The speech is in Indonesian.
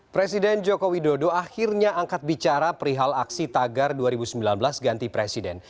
presiden joko widodo akhirnya angkat bicara perihal aksi tagar dua ribu sembilan belas ganti presiden